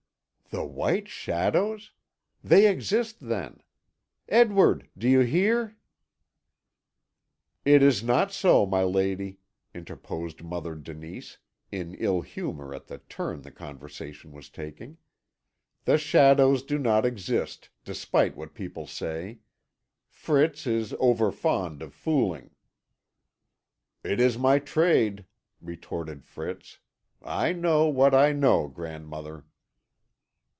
"The white shadows! They exist then! Edward, do you hear?" "It is not so, my lady," interposed Mother Denise, in ill humour at the turn the conversation was taking; "the shadows do not exist, despite what people say. Fritz is over fond of fooling." "It is my trade," retorted Fritz. "I know what I know, grandmother."